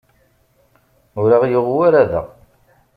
Ur aɣ-yuɣ wara da.